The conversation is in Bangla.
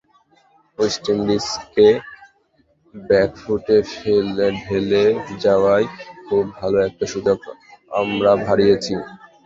ওয়েস্ট ইন্ডিজকে ব্যাকফুটে ঠেলে দেওয়ার খুব ভালো একটা সুযোগ আমরা হারিয়েছি।